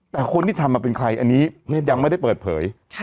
แต่คนที่ทำเป็นใครอันนี้ยังไม่ได้เปิดเผย